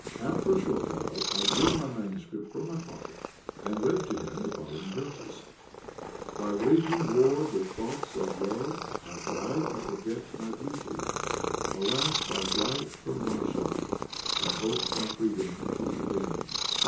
After a short preface, I drew my manuscript from my pocket, and read to him the following verses: "By waging war with thoughts of love I try to forget my beauty; Alas! by flight from Masha, I hope my freedom to regain!